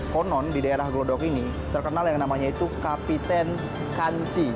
konon di daerah glodok ini terkenal yang namanya itu kapiten kanci